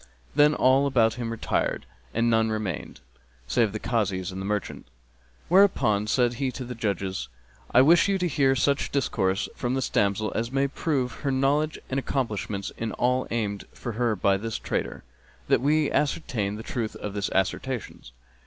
Then all about him retired, and none remained save the Kazis and the merchant, whereupon said he to the judges, "I wish you to hear such discourse from this damsel as may prove her knowledge and accomplishments in all aimed for her by this trader, that we ascertain the truth of his assertions."